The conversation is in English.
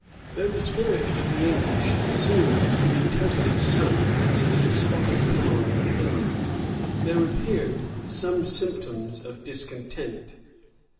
Angl. Though the spirit of the English seemed to be totally sunk under the despotic power of Henry, there appeared some symptoms of discontent.